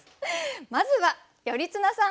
まずは頼綱さん